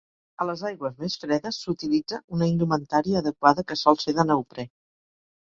A les aigües més fredes s'utilitza una indumentària adequada que sol ser de neoprè.